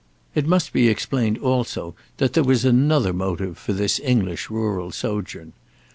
It must be explained also that there was another motive for this English rural sojourn.